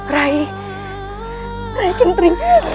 rai rai kentri